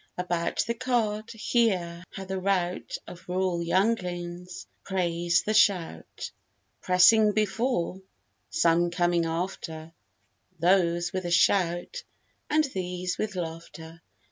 About the cart, hear, how the rout Of rural younglings raise the shout; Pressing before, some coming after, Those with a shout, and these with laughter.